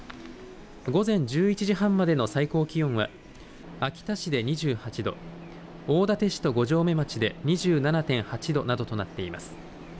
午前１１時半までの最高気温は秋田市で２８度大館市と五城目町で２７．８度などとなっています。